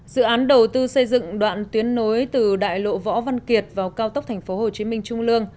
dự án đầu tư xây dựng đoạn tuyến nối từ đại lộ võ văn kiệt vào cao tốc tp hcm trung lương